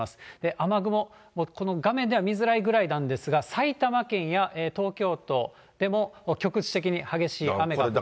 雨雲、この画面では見づらいぐらいなんですが、埼玉県や東京都でも局地的に激しい雨が降っています。